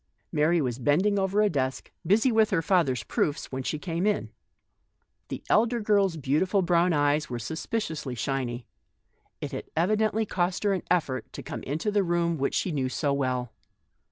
Mary was bending over a desk, busy with her father's proofs, when she came in. The elder girl's beautiful brown eyes were sus piciously shiny ; it had evidently cost her an effort to come into the study which she knew so well.